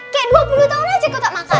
kayak dua puluh tahun aja kok tak makan